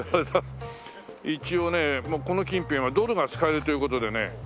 一応ねこの近辺はドルが使えるという事でね